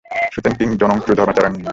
শ্রুতেন কিং যো ন চ ধর্মমাচরেৎ।